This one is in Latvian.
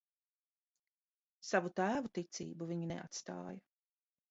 Savu tēvu ticību viņi neatstāja.